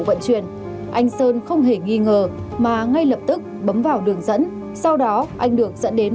vận chuyển anh sơn không hề nghi ngờ mà ngay lập tức bấm vào đường dẫn sau đó anh được dẫn đến